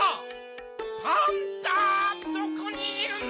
パンタどこにいるんだ？